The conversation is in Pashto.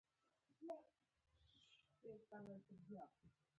طالبان د همدغه الهیاتو محصول دي.